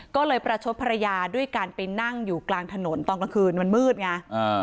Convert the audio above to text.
ก็เลยประชดภรรยาด้วยการไปนั่งอยู่กลางถนนตอนกลางคืนมันมืดไง